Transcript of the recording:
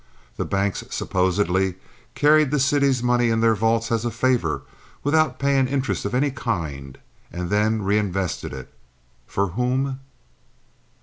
The banks supposedly carried the city's money in their vaults as a favor, without paying interest of any kind, and then reinvested it—for whom?